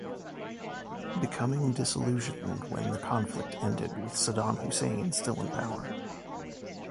Becoming disillusioned when the conflict ended with Saddam Hussein still in power.